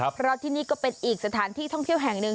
เพราะที่นี่ก็เป็นอีกสถานที่ท่องเที่ยวแห่งหนึ่ง